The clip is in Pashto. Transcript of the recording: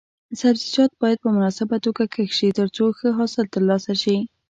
سبزیجات باید په مناسبه توګه کښت شي ترڅو ښه حاصل ترلاسه شي.